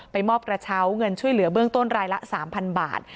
มอบกระเช้าเงินช่วยเหลือเบื้องต้นรายละ๓๐๐บาท